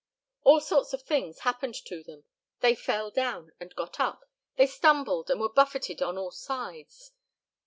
All sorts of things happened to them. They fell down, and got up. They stumbled and were buffeted on all sides.